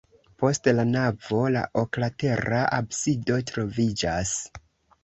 Post la navo la oklatera absido troviĝas.